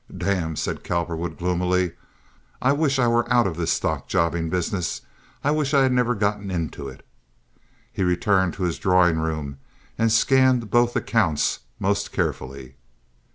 "Damn!" said Cowperwood gloomily. "I wish I were out of this stock jobbing business. I wish I had never gotten into it." He returned to his drawing room and scanned both accounts most carefully.